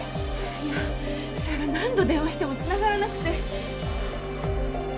いやそれが何度電話しても繋がらなくて。